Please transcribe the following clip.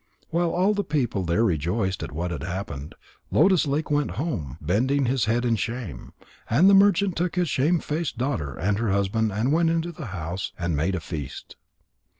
While all the people there rejoiced at what had happened. Lotus lake went home, bending his head in shame. And the merchant took his shamefaced daughter and her husband and went into the house and made a feast.